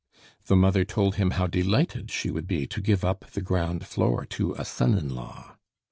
The mother told him how delighted she would be to give up the ground floor to a son in law.